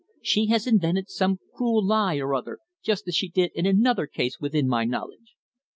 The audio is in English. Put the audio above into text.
She has invented some cruel lie or other, just as she did in another case within my knowledge.